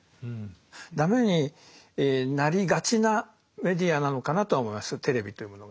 ダメになりがちなメディアなのかなとは思いますテレビというものが。